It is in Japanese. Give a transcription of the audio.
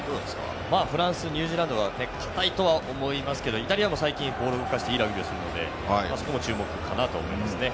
フランスニュージーランドが堅いとは思いますけどイタリアも最近ボールを動かしていいラグビーをするのでそこも注目だと思います。